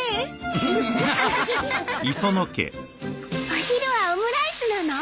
お昼はオムライスなの？